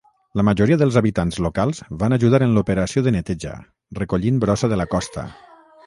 La majoria dels habitants locals van ajudar en l'operació de neteja, recollint brossa de la costa.